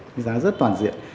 đánh giá rất toàn diện